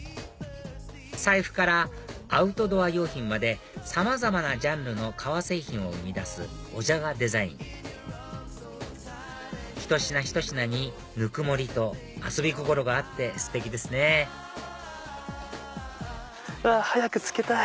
財布からアウトドア用品までさまざまなジャンルの革製品を生み出すオジャガデザインひと品ひと品にぬくもりと遊び心があってステキですね早く着けたい！